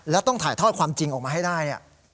แล้วต้องถ่ายทอดความจริงออกมาให้ได้เนี่ย